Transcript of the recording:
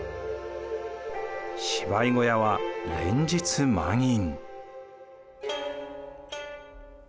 芝居小屋は連日満員。